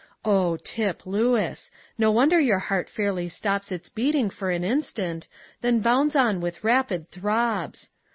Oh, Tip Lewis! No wonder your heart fairly stops its beating for an instant, then bounds on with rapid throbs.